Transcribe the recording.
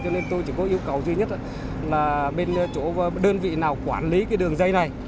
cho nên tôi chỉ có yêu cầu duy nhất là bên chỗ đơn vị nào quản lý cái đường dây này